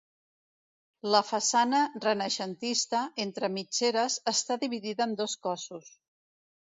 La façana, renaixentista, entre mitgeres, està dividida en dos cossos.